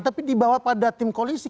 tapi dibawa pada tim koalisi